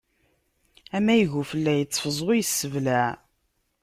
Amayeg ufella, iteffeẓ ur yesseblaɛ.